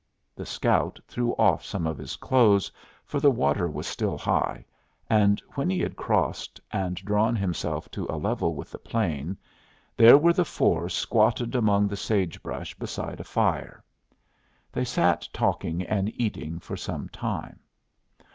The scout threw off some of his clothes, for the water was still high, and when he had crossed, and drawn himself to a level with the plain, there were the four squatted among the sage brush beside a fire. They sat talking and eating for some time.